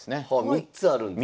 ３つあるんですね。